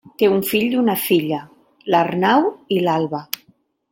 Té un fill i una filla: l'Arnau i l'Alba.